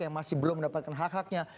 yang masih belum mendapatkan hak haknya